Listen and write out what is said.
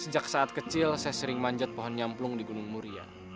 sejak saat kecil saya sering manjat pohon nyamplung di gunung muria